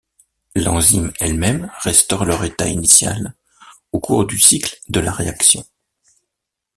L'enzyme elle-même restaure leur état initial au cours du cycle de la réaction.